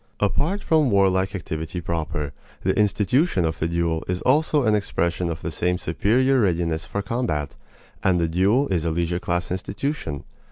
Apart from warlike activity proper, the institution of the duel is also an expression of the same superior readiness for combat; and the duel is a leisure class institution.